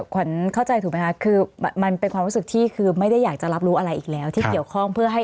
ขวัญเข้าใจถูกไหมคะคือมันเป็นความรู้สึกที่คือไม่ได้อยากจะรับรู้อะไรอีกแล้วที่เกี่ยวข้องเพื่อให้